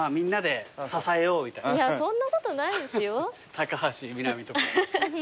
高橋みなみとか。